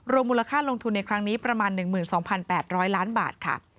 มูลค่าลงทุนในครั้งนี้ประมาณ๑๒๘๐๐ล้านบาทค่ะ